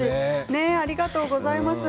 ありがとうございます。